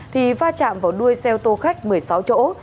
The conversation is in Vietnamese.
thì va chạm vào đuôi xe ô tô khách một mươi sáu chỗ